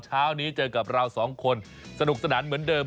เช้านี้เจอกับเราสองคนสนุกสนานเหมือนเดิม